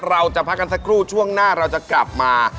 เราจะพักกันสักครู่ช่วงหน้าเราจะกลับมา